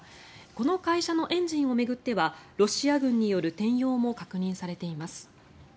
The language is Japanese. この会社のエンジンを巡ってはロシア軍による転用も確認されています。